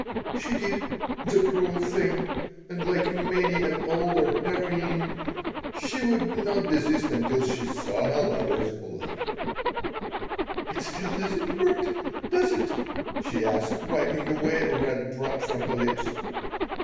She did, the cruel thing, and like many an older heroine, she would not desist until she saw her lover's blood "It still does not hurt, does it?" she asked, wiping away a red drop from her lips.